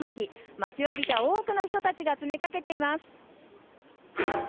待ちわびた多くの人たちが詰めかけています。